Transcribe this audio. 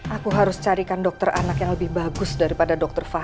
aku harus carikan dokter anak yang lebih bagus daripada dokter fahri